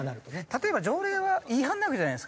例えば条例は違反なわけじゃないですか。